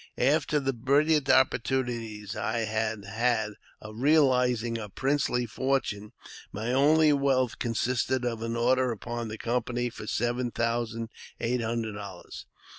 After the brilliant opportunities I had had of reali zing a princely fortune, my only wealth consisted of an order upon the company for seven thousand eight hundred dollars.